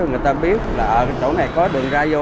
người ta biết là ở chỗ này có đường ra vô